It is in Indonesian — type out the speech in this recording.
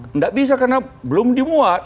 tidak bisa karena belum dimuat